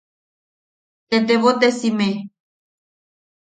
Tettebotesime.